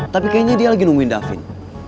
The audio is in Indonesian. tapi kayaknya dia lagi nungguin davin